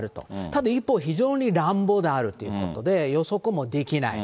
ただ一方、非常に乱暴であるということで、予測もできない。